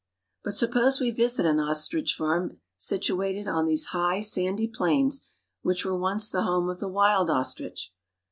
But suppose we visit an ostrich farm situated on these high, sandy plains which were once the home of the wild ostrich.